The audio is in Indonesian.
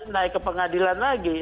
naik ke pengadilan lagi